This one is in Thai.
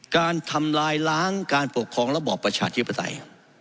การทำลายล้างการปกครองระบอบประชาธิปไตย